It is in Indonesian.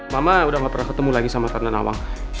mama udah ga pernah ketemu lagi sama tarna nawang